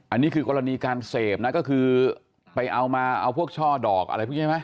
อันนี้คือกรณีการเสพนะก็คือไปเอามาเอาพวกช่อดอกอะไรพวกนี้ใช่ไหม